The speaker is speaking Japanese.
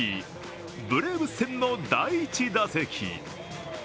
ブレーブス戦の第１打席。